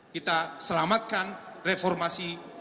kita selamatkan reformasi sembilan puluh delapan